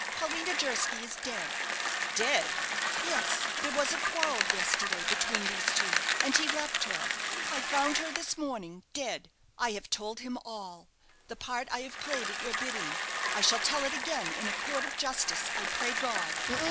Paulina Durski is dead!" "Dead!" "Yes. There was a quarrel, yesterday, between these two and he left her. I found her this morning dead! I have told him all the part I have played at your bidding. I shall tell it again in a court of justice, I pray God!"